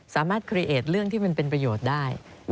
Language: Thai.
สามารถคลีเอทเรื่องที่มันเป็นประโยชน์ได้